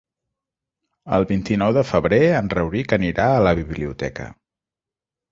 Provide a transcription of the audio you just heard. El vint-i-nou de febrer en Rauric anirà a la biblioteca.